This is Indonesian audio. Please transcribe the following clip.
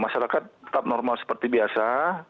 masyarakat tetap normal seperti biasa